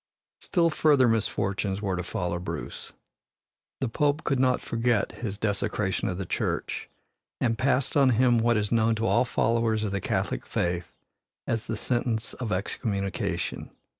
Still further misfortunes were to follow Bruce. The Pope could not forget his desecration of the church and passed on him what is known to all followers of the Catholic faith as the sentence of excommunication.